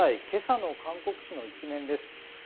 今朝の韓国紙の１面です。